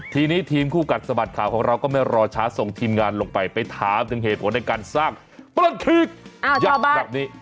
ทีนี้ทีมคู่กัดสะบัดข่าวของเราก็ไม่รอช้าส่งทีมงานลงไปไปถามถึงเหตุผลในการสร้างประคลีกยาบ้าแบบนี้